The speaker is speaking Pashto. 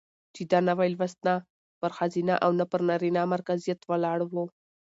چې دا نوى لوست نه پر ښځينه او نه پر نرينه مرکزيت ولاړ و،